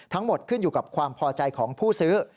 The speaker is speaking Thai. ทั้งหมดขึ้นอยู่กับความพอใจของผู้ซื้อ